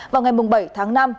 vào ngày bảy tháng năm